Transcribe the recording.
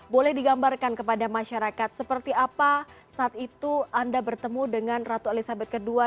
boleh digambarkan kepada masyarakat seperti apa saat itu anda bertemu dengan ratu elizabeth ii